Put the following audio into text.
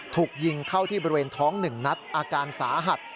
ถูกยิงเข้าที่บริเวณท้อง๑นัดอาการสาหัส